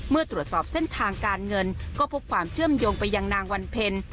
เมื่อตรวจสอบเส้นทางการเงินก็พบความเชื่อมโยงไปยังนางวันเพ็ญ